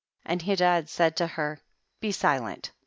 and He dad said to her, be silent.